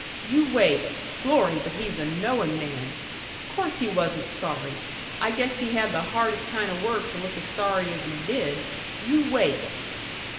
You wait. Glory, but he's a knowin' man! Course he wasn't sorry. I guess he had the hardest kind of work to look as sorry as he did. You wait."